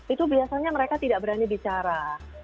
itu biasanya mereka tidak berani bicara